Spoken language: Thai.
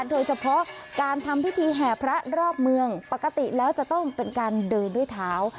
โดยเฉพาะการทำพิธีแห่พระรอบเมืองปกติแล้วจะต้องเป็นการเดินด้วยเท้า